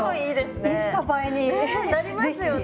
ねなりますよね！